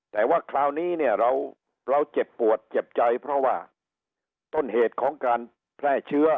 แต่ว่าคราวนี้เนี่ยเราเจ็บปวดเจ็บใจเพราะว่าต้นเหตุของการแพร่เชื้อ